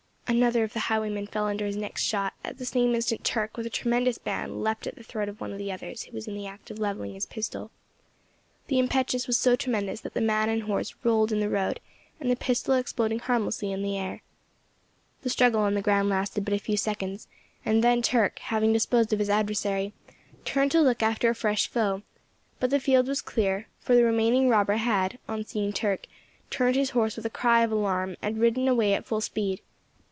Another of the highwaymen fell under his next shot; at the same instant Turk, with a tremendous bound, leapt at the throat of one of the others who was in the act of levelling his pistol. The impetus was so tremendous that man and horse rolled in the road, the pistol exploding harmlessly in the air. The struggle on the ground lasted but a few seconds, and then Turk, having disposed of his adversary, turned to look after a fresh foe; but the field was clear, for the remaining robber had, on seeing Turk, turned his horse with a cry of alarm, and ridden away at full speed.